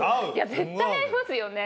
絶対合いますよね。